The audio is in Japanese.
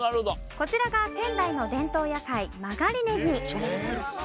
こちらが仙台の伝統野菜曲がりねぎ。